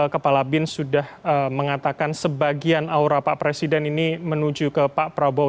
kepala bin sudah mengatakan sebagian aura pak presiden ini menuju ke pak prabowo